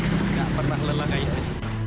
tidak pernah lelah kayak gitu